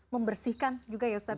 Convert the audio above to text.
membersihkan juga ya ustadz ya